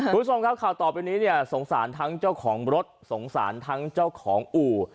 คุณผู้ชมครับข่าวต่อไปนี้เนี่ยสงสารทั้งเจ้าของรถสงสารทั้งเจ้าของอู่